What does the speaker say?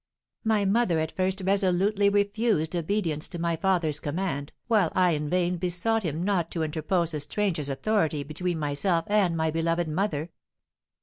My mother at first resolutely refused obedience to my father's command, while I in vain besought him not to interpose a stranger's authority between myself and my beloved mother.